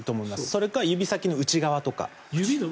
それか指先の内側とか。